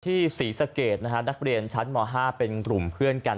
ศรีสะเกดนะฮะนักเรียนชั้นม๕เป็นกลุ่มเพื่อนกัน